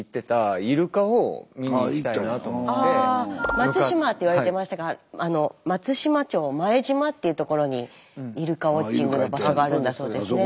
松島って言われてましたが松島町前島っていうところにイルカウオッチングの場所があるんだそうですね。